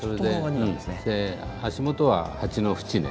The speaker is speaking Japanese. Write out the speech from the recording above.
足元は鉢の縁ね。